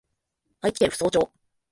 愛知県扶桑町